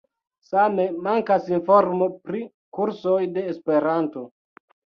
Same mankas informo pri kursoj de esperanto.